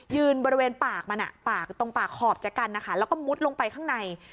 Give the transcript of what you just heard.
บริเวณปากมันปากตรงปากขอบจากกันนะคะแล้วก็มุดลงไปข้างใน